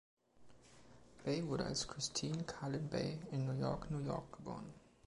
Bay wurde als Kristine Carlin Bay in New York, New York, geboren.